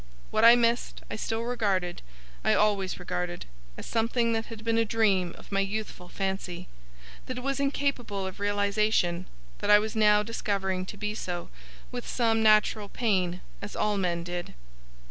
What I missed, I still regarded I always regarded as something that had been a dream of my youthful fancy; that was incapable of realization; that I was now discovering to be so, with some natural pain, as all men did.